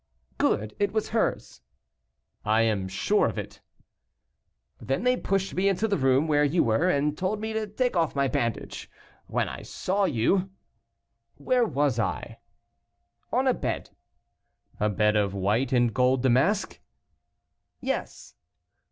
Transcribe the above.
"Good, it was hers." "I am sure of it." "Then they pushed me into the room where you were, and told me to take off my bandage, when I saw you " "Where was I?" "On a bed." "A bed of white and gold damask?" "Yes."